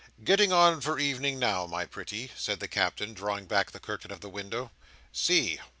"Getting on for evening now, my pretty," said the Captain, drawing back the curtain of the window. "See!"